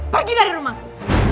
pergi dari rumahku